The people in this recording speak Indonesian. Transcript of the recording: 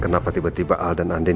kenapa tiba tiba al dan andi